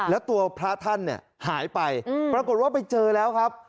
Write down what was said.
แล้วตัวพระท่านเนี่ยหายไปปรากฏว่าไปเจอแล้วครับ